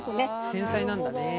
繊細なんだね。